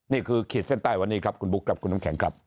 ขีดเส้นใต้วันนี้ครับคุณบุ๊คครับคุณน้ำแข็งครับ